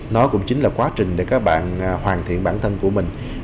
nó cũng chính là quá trình để các bạn hoàn thiện bản thân của mình